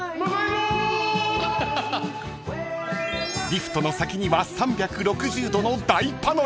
［リフトの先には３６０度の大パノラマ］